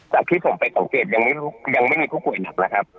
จากที่ผมไปสังเกตยังไม่มีผู้ป่วยหนักแล้วครับ